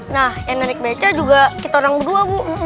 nah yang menarik beca juga kita orang berdua bu